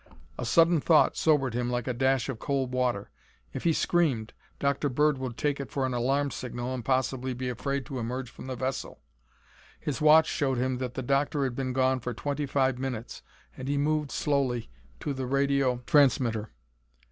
A sudden thought sobered him like a dash of cold water. If he screamed, Dr. Bird would take it for an alarm signal and possibly be afraid to emerge from the vessel. His watch showed him that the Doctor had been gone for twenty five minutes and he moved slowly to the radio transmitter.